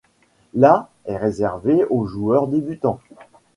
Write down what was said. La est réservée aux joueurs débutants.